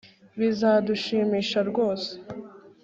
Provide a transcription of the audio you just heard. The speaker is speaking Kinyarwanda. Bizadushimisha rwose